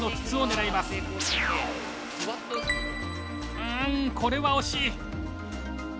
うんこれは惜しい。